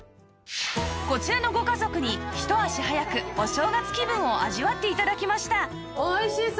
こちらのご家族に一足早くお正月気分を味わって頂きました